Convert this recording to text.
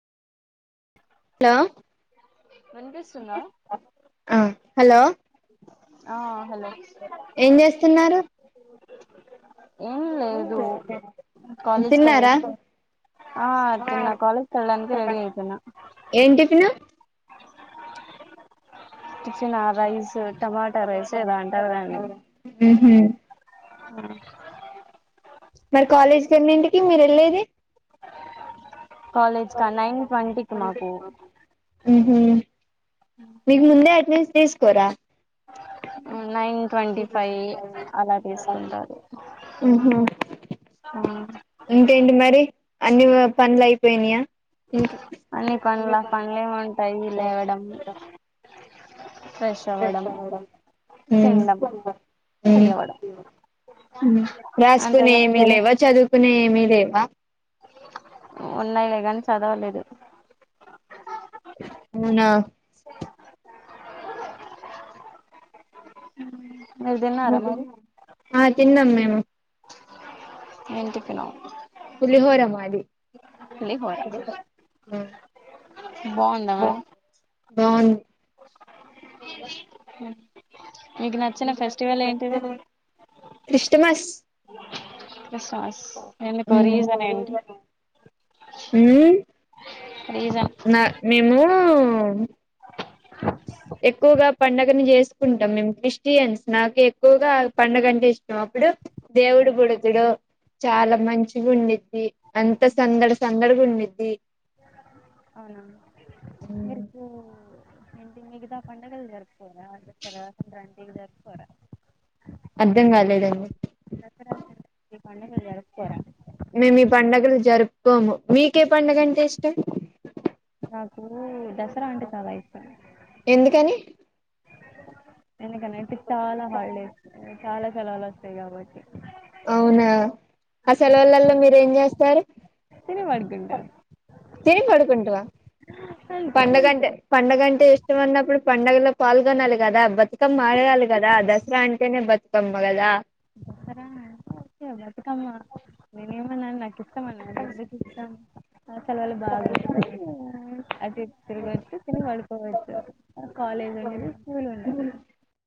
hello వినిపిస్తుందా hello ఆ hello ఏం చేస్తున్నారు ఏం లేదు కాలేజ్ తిన్నారా కెళ్ళకి ఆ తిన్నా కాలేజ్ కి వెళ్ళాడానికి రెడి అయిపోయిన ఏం టిఫిన్ టిఫినా రైస్ టమాటా రైస్ ఎదొ అంటారు దాన్ని ఆ మరి కాలేజ్ కెన్నింటికి మీరు వెళ్ళది కాలేజ్ క న్ [unintelligible] పంపిత్తి నాకు మీకు ముందే అటెనేన్స్ తీసుకోరా నైన్ ట్వంటీ ఫైవ్ అలా తీసుకుంటారు ఇంకెంటి మరి అన్ని పనులు అయిపోయినాయా అన్ని మ్మ్ పనుల పనులేమి ఉంటాయి లేవడం ఫ్రెష్ అవ్వడం తినాడం రెడి అవ్వడం రాసుకునేవి అంతేగా ఏమి లేవా చదువుకునేవి ఏమి లేవా ఉన్నాయి గానిలే కానీ చదవలేదు అవున అవున ఆ తిన్నాం మేము ఏం టిఫినొ పులిహోర మాది పులిహోర బాగుందా మరి బావుం మీకు నచ్చిన ఫెస్టివల్ ఏంటిది క్రిష్టమస్ కిష్టమస్ ఎందుకొ రీజన్ ఏంటో మ్మ్ నా మేము ఎక్కువగా పండుగను చేసుకుంటాం మేము క్రిస్టియన్స్ నాకు ఎక్కువగా పండుగ అంటే ఇష్టం అప్పుడు దేవుడు బుడుతడు చాలా మంచిగా ఉండిద్ది అంత సందడి సందడిగా ఉండిద్ది అవునా మీకు ఏంటి మిగతా పండుగలు జరుపుకోరా దసరా సంక్రాంతి జరుపుకోరా అర్థం కాలేదండి దసరా సంక్రాంతి పండుగలు జరుపుకోరా మేము ఈ పండుగలు జరుపుకోము మీకే పండుగ అంటే ఇష్టం నాకు దసరా అంటే చాలా ఇష్టం ఎందుకని ఎందుకనంటే చాలా హాల్డేస్ చాలా సెలవులు వస్తాయి కాబట్టి అవునా ఆ సెలవులలో మీరు ఏం చేస్తారు తిన పడుగంట తిని పడుకుంటారా అంతే పడుగంటే పండుగ అంటే ఇష్టం అన్నప్పుడు పండగలో పాల్గొనాలి కదా బతుకమ్ మాడగాాలలి కదా దసరా అంటేనే బతుకమ గదా మ బతుకమ్ అ ళ బాగా వస్తాయి అటు తిరిగొచ్చు తినిగి పడుకోవచ్చు కాలేజ్ ఉండదు స్కూల్ ఉండదు ఆ